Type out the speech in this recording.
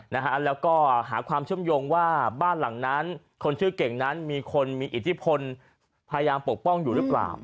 แล้วก็หาความเชื่อมโยงว่าบ้านหลังนั้นคนชื่อเก่งนั้นมีคนมีอิทธิพลพยายามปกป้องอยู่หรือเปล่า